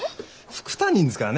副担任ですからね